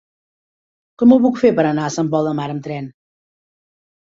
Com ho puc fer per anar a Sant Pol de Mar amb tren?